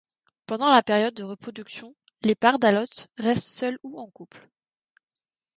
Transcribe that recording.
Pendant la période de reproduction les pardalotes restent seules ou en couple.